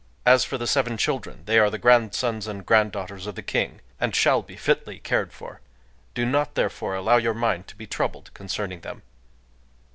As for the seven children, they are the grandsons and granddaughters of the King, and shall be fitly cared for. Do not, therefore, allow your mind to be troubled concerning them.